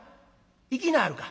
「行きなはるか」。